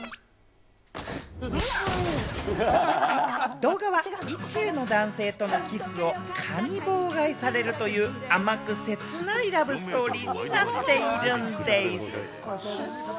動画は意中の男性とのキスを蚊に妨害されるという甘く切ないラブストーリーになっているんでぃす。